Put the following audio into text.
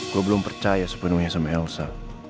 gue belum percaya sepenuhnya sama elsa